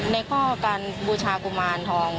ในข้อการบูชากุมารทอง